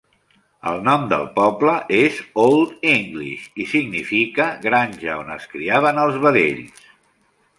El nom del poble és Old English i significa "granja on es criaven els vedells".